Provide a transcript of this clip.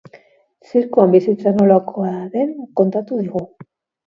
Zirkoan bizitzea nolakoa den kontatu digu.